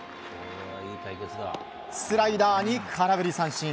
スライダーに空振り三振。